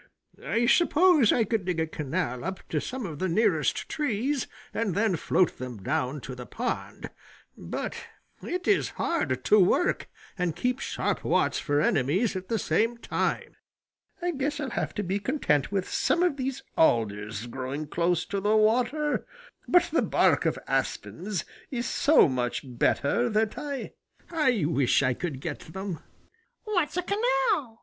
I suppose I could dig a canal up to some of the nearest trees and then float them down to the pond, but it is hard to work and keep sharp watch for enemies at the same time. I guess I'll have to be content with some of these alders growing close to the water, but the bark of aspens is so much better that I I wish I could get them." "What's a canal?"